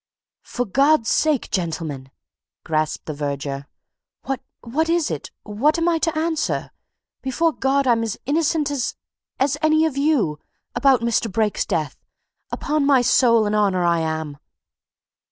"For God's sake, gentlemen!" grasped the verger. "What what is it? What am I to answer? Before God, I'm as innocent as as any of you about Mr. Brake's death! Upon my soul and honour I am!"